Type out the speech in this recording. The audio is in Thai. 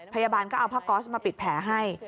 พยาบาลก็เอาผ้าก๊อสมาปิดแผลให้